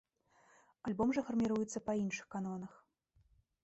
Альбом жа фарміруецца па іншых канонах.